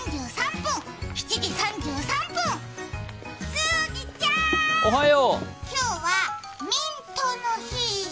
すぎちゃーん、今日はミントの日。